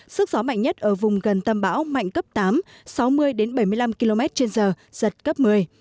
sức gió mạnh nhất ở vùng gần tâm bão mạnh cấp tám sáu mươi bảy mươi năm km trên giờ giật cấp một mươi